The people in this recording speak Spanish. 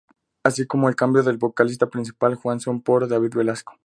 Así como el cambio del vocalista principal Juan Son por David Velasco.